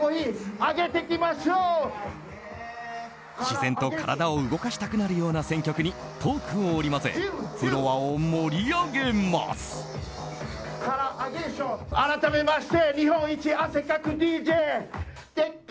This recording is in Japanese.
自然と体を動かしたくなるような選曲にトークを織り交ぜフロアを盛り上げます。